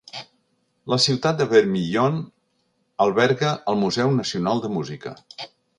La ciutat de Vermillion alberga el Museu Nacional de Música.